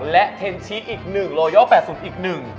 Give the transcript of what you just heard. และเท็นชิ๑รอยอล๘๐อีก๑